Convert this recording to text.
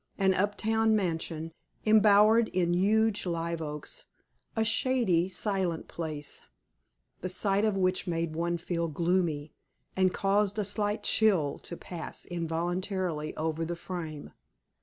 An up town mansion, embowered in huge live oaks a shady, silent place, the sight of which made one feel gloomy, and caused a slight chill to pass involuntarily over the frame.